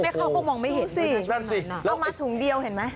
แม่ค้าก็มองไม่เห็นเอามาถุงเดียวเห็นไหม